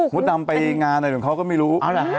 พระอุทดามไปงานรอเขาก็ไม่รู้